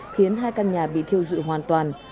khiến hai căn nhà bị thiêu dụi hoàn toàn